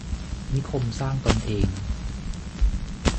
นิคมสร้างตนเอง